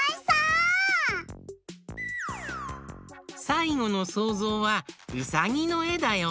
さいごのそうぞうはうさぎのえだよ。